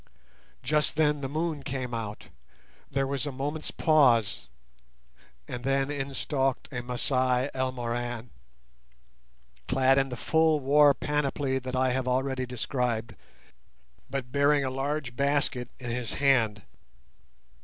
Just then the moon came out. There was a moment's pause, and then in stalked a Masai Elmoran, clad in the full war panoply that I have already described, but bearing a large basket in his hand.